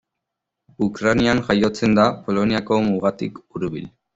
Ukrainan jaiotzen da, Poloniako mugatik hurbil.